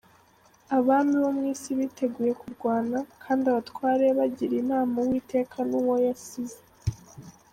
Abami bo mu isi biteguye kurwana, Kandi abatware bagiriye inama Uwiteka n’Uwo yasīze